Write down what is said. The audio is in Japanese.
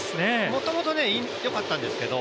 もともとよかったんですけど